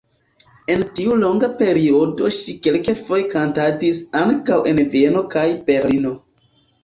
En tiu longa periodo ŝi kelkfoje kantadis ankaŭ en Vieno kaj Berlino.